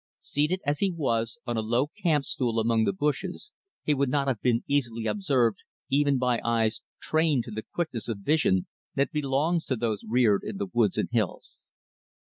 Seated as he was, on a low camp stool, among the bushes, he would not have been easily observed even by eyes trained to the quickness of vision that belongs to those reared in the woods and hills.